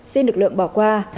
xin lực lượng bỏ qua